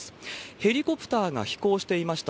ヘリコプターが飛行していました